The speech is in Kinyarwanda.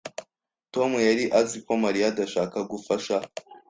Tom yari azi ko Mariya adashaka gufasha